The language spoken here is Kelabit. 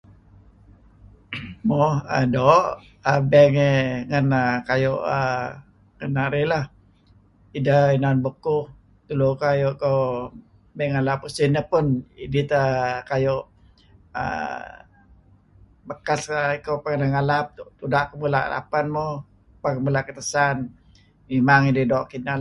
Mo doo' ngen bank iih uhm ngen narih lah. Ideh inan bukuh tulu kayu' inan may ngalap usin idih tah kayu' uhm bekas iko pangeh nah ngalap tuda' ken mula' apen muh papah ken mula' katasan mimang idih doo' kinah.